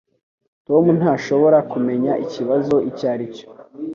Tom ntashobora kumenya ikibazo icyo ari cyo.